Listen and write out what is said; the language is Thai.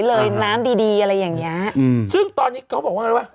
เลยน้ำดีดีอะไรอย่างเงี้ยอืมซึ่งตอนนี้เขาบอกว่าอะไรวะ